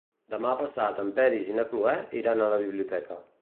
Demà passat en Peris i na Cloè iran a la biblioteca.